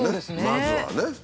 まずはね。